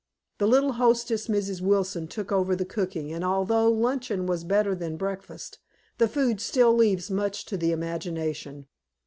The little hostess, Mrs. Wilson, took over the cooking, and although luncheon was better than breakfast, the food still leaves much to the imagination.